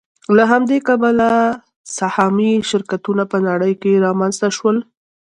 له همدې کبله سهامي شرکتونه په نړۍ کې رامنځته شول